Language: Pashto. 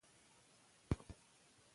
د کور دننه يخ باد مخه ونيسئ.